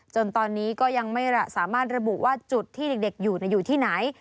จนตอนนี้ก็ยังไม่สามารถระบุว่าจุดที่เด็กอยู่อยู่ที่ไหน